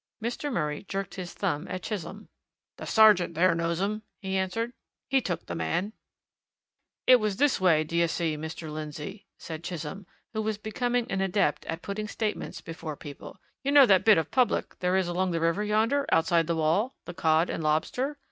Mr. Murray jerked his thumb at Chisholm. "The sergeant there knows them," he answered. "He took the man." "It was this way, d'ye see, Mr. Lindsey," said Chisholm, who was becoming an adept at putting statements before people. "You know that bit of a public there is along the river yonder, outside the wall the Cod and Lobster?